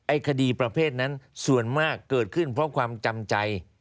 คดีประเภทนั้นส่วนมากเกิดขึ้นเพราะความจำใจ